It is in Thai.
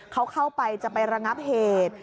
เขาเข้าไปจะไประงับเหตุ